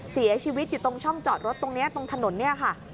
เสียชีวิตอยู่ตรงช่องจอดรถตรงนี้ตรงถนนเนี่ยค่ะ